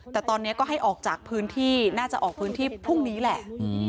แต่ตอนนี้ก็ให้ออกจากพื้นที่น่าจะออกพื้นที่พรุ่งนี้แหละ